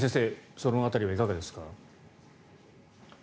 その辺りはどうですか？